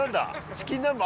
チキン南蛮